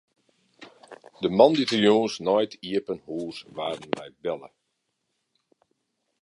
De moandeitejûns nei it iepen hûs waarden wy belle.